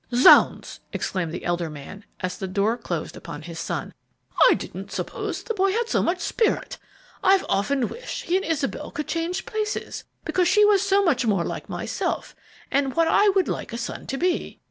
"Zounds!" exclaimed the elder man, as the door closed upon his son, "I didn't suppose the boy had so much spirit! I've often wished he and Isabel could change places, because she was so much more like myself and what I would like a son to be."